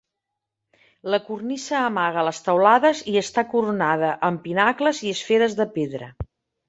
La cornisa amaga les teulades i està coronada amb pinacles i esferes de pedra.